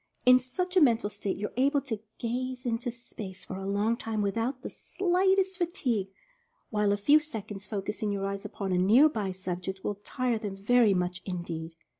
In such a mental state you are able to "gaze into space" for a long time without the slight est fatigue, while a few seconds' focusing your eyes upon a near by object will tire them very much in deed.